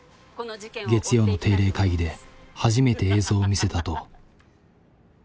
月曜の定例会議で初めて映像を見せたあと。